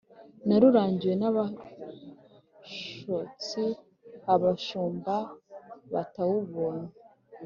nawurangiwe n'abashotsi, abashumba batawubonye.